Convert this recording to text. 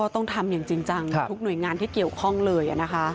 ต้องทำอย่างจริงจังทุกหน่วยงานที่เกี่ยวข้องเลย